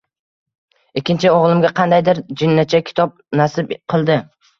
Ikkinchi o‘g‘limga qandaydir jinnicha kitob nasib qildi.